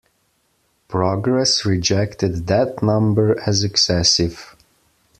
Progress rejected that number as excessive.